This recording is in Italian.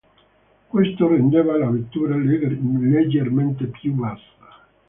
Questo rendeva la vettura leggermente più bassa.